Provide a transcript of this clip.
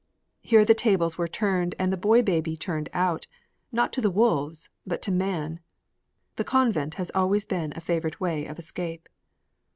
Here the tables were turned and the boy baby turned out not to the wolves, but to man! The convent has always been a favorite way of escape.